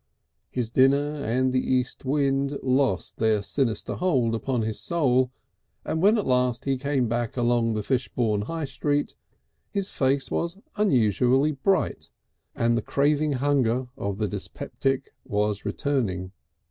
His dinner and the east wind lost their sinister hold upon his soul, and when at last he came back along the Fishbourne High Street, his face was unusually bright and the craving hunger of the dyspeptic was returning.